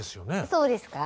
そうですか？